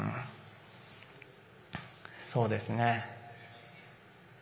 そうですね。